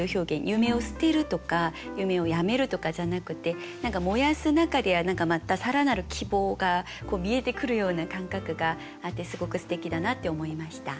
「夢を捨てる」とか「夢をやめる」とかじゃなくて何か燃やす中でまた更なる希望が見えてくるような感覚があってすごくすてきだなって思いました。